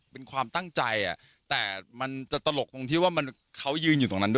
ทำไมไม่มีคลิปคาแรกเตอร์มันต้องแบบ